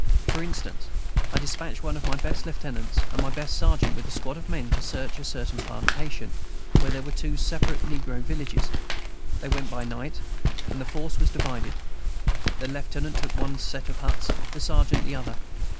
For instance, I despatched one of my best lieutenants and my best sergeant with a squad of men to search a certain plantation, where there were two separate negro villages. They went by night, and the force was divided. The lieutenant took one set of huts, the sergeant the other.